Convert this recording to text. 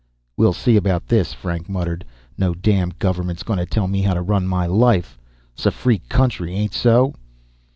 "We'll see about this," Frank muttered. "No damn government's gonna tell me how to run my life. Sa free country, ain't so?"